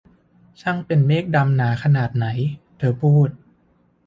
ช่างเป็นเมฆดำหนาขนาดไหน ! ' เธอพูด